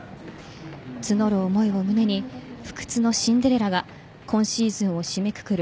募る思いを胸に不屈のシンデレラが今シーズンを締めくくる